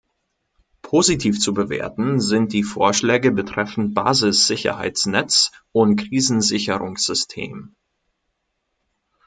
Positiv zu bewerten sind die Vorschläge betreffend Basissicherheitsnetz und Krisensicherungssystem.